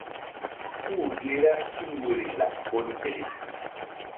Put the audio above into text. ́U gi ra tul woyri laɓ bonseɗe.